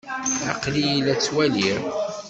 Aql-iyi la t-ttwaliɣ.